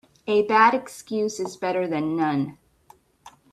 A bad excuse is better then none.